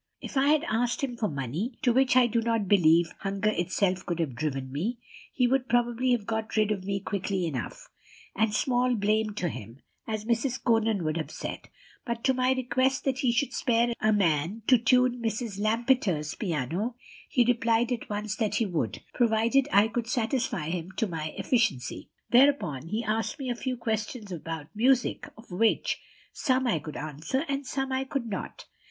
If I had asked him for money, to which I do not believe hunger itself could have driven me, he would probably have got rid of me quickly enough, and small blame to him, as Mrs. Conan would have said; but to my request that he would spare a man to tune Mrs. Lampeter's piano, he replied at once that he would, provided I could satisfy him as to my efficiency. Thereupon he asked me a few questions about music, of which some I could answer and some I could not.